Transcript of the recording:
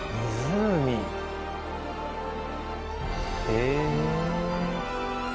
へえ。